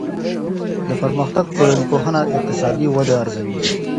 د پرمختګ ټولنپوهنه اقتصادي وده ارزوي.